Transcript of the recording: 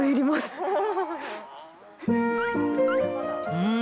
うん！